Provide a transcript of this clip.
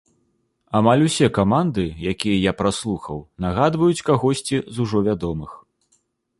Амаль ўсе каманды, якія я праслухаў, нагадваюць кагосьці з ужо вядомых.